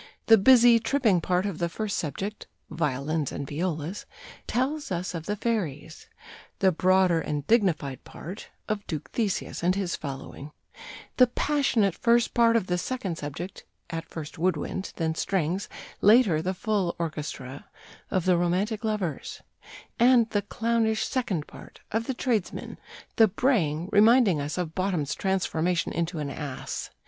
The busy, tripping part of the first subject [violins and violas] tells us of the fairies; the broader and dignified part, of Duke Theseus and his following; the passionate first part of the second subject [at first wood wind, then strings, later the full orchestra], of the romantic lovers; and the clownish second part, of the tradesmen, the braying reminding us of Bottom's transformation into an ass.